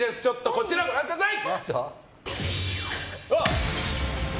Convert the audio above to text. こちらご覧ください！